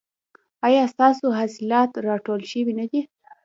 ایا ستاسو حاصلات راټول شوي نه دي؟